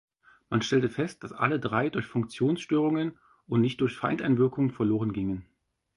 Man stellte fest, dass alle drei durch Funktionsstörungen und nicht durch Feindeinwirkung verlorengingen.